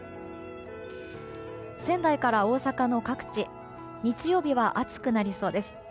仙台から大阪の各地日曜日は暑くなりそうです。